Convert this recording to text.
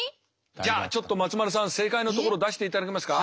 じゃあちょっと松丸さん正解のところ出していただけますか。